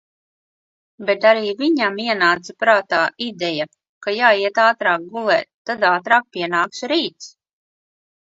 Bet arī viņam ienāca prātā ideja, ka jāiet ātrāk gulēt, tad ātrāk pienāks rīts.